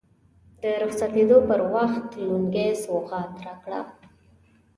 د رخصتېدو پر وخت لونګۍ سوغات راکړه.